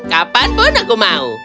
kapanpun aku mau